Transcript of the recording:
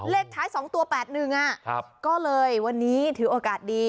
เลขท้าย๒ตัว๘๑ก็เลยวันนี้ถือโอกาสดี